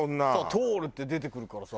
トールって出てくるからさ。